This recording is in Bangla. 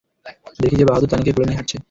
দেখি যে বাহাদুর তানিকে কোলে নিয়ে হাঁটছে।